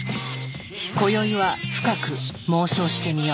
こよいは深く妄想してみよう。